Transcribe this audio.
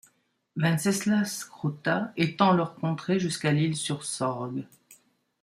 Venceslas Kruta étend leur contrée jusqu'à l'Isle sur Sorgue.